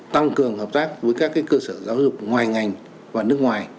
tăng cường hợp tác với các cơ sở giáo dục ngoài ngành và nước ngoài